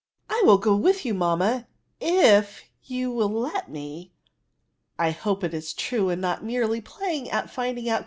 " I will go with you, mamma, if you will let me. I hope it is true, and not merely playing at finding out conjunctions."